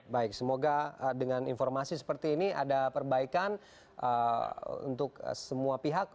baik semoga dengan informasi seperti ini ada perbaikan untuk semua pihak